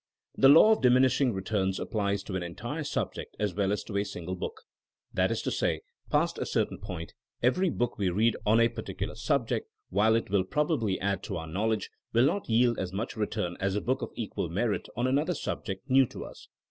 The law of diminishing returns applies to an entire subject as well as to a single book. That is to say, past a certain point, every book we read on a particular subject, while it will prob ably add to our knowledge, will not yield as much return as a book of equal merit on another subject, new to us.